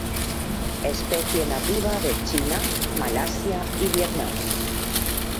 Especie nativa de China, Malasia y Vietnam.